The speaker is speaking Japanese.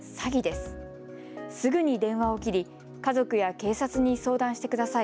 すぐに電話を切り家族や警察に相談してください。